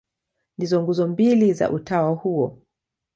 Ndizo nguzo mbili za utawa huo.